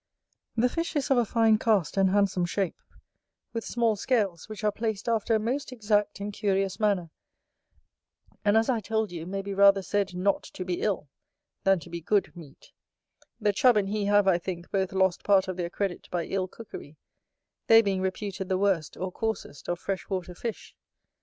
The fish is of a fine cast and handsome shape, with small scales, which are placed after a most exact and curious manner, and, as I told you, may be rather said not to be ill, than to be good meat, The Chub and he have, I think, both lost part of their credit by ill cookery; they being reputed the worst, or coarsest, of fresh water fish.